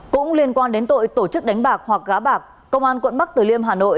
cũng liên quan đến tội tổ chức đánh bạc hoặc gá bạc công an quận bắc từ liêm hà nội